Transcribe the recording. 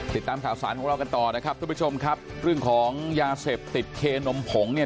ติดตามข่าวสารของเรากันต่อนะครับทุกผู้ชมครับเรื่องของยาเสพติดเคนมผงเนี่ย